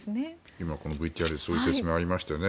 今このＶＴＲでそういう説明がありましたね。